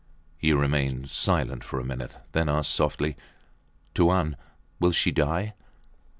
He remained silent for a minute, then asked softly Tuan, will she die?